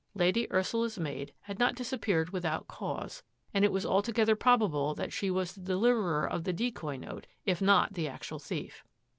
Lady Ursula's maid h^r« disappeared without cause, and it was altog probable that she was the deliverer of the c note, if not the actual thief.